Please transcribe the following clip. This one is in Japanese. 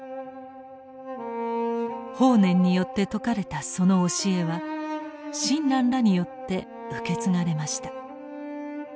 法然によって説かれたその教えは親鸞らによって受け継がれました。